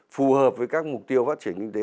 phù hợp với các mục tiêu phát triển kinh tế